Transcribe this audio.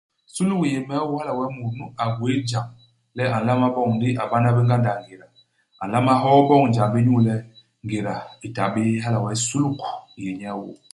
Suluk i yé me i ôô hala wee mut nu a gwéé jam le a nlama boñ ndi a bana bé ngandak ngéda. A nlama hoo boñ ijam li inyu le, ngéda i ta bé. Hala wee suluk i yé nye i ôô.